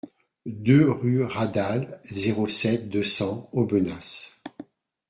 deux rue Radal, zéro sept, deux cents Aubenas